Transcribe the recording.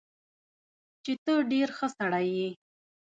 چې تۀ ډېر ښۀ سړے ئې